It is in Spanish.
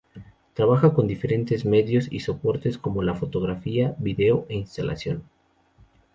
Trabaja con diferentes medios y soportes como la fotografía, vídeo e instalación.